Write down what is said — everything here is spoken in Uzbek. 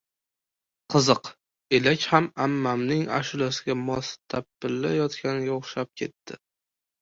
Qiziq, elak ham ammamning ashulasiga mos tapilla- yotganga o‘xshab ketdi.